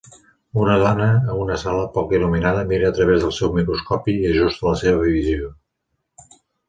Una dona a una sala poc il·luminada mira a través del seu microscopi i ajusta la seva visió